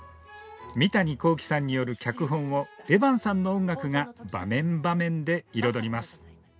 三谷幸喜さんによる脚本をエバンさんの音楽が場面場面で彩ります。